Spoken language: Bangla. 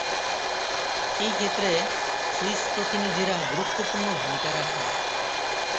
এই ক্ষেত্রে, সুইস প্রতিনিধিরা, গুরুত্বপূর্ণ ভূমিকা রাখেন।